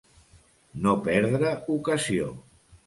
No perdre ocasió.